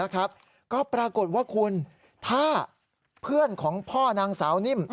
ก็ปรากฏว่าคุณถ้าเพื่อนของพ่อนางสาวนิ่ม